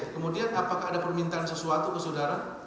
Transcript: kemudian apakah ada permintaan sesuatu ke saudara